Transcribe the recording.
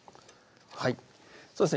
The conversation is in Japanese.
はいそうですね